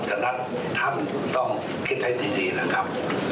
ฉะนั้นทำถูกต้องคิดให้ดีนะครับ